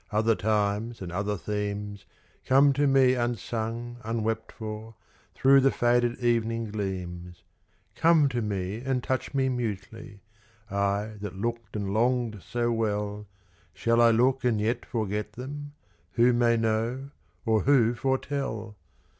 Other times and other themes Come to me unsung, unwept for, through the faded evening gleams: Come to me and touch me mutely I that looked and longed so well, Shall I look and yet forget them? who may know or who foretell?